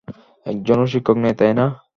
একজনও শিক্ষক নেই, তাই না?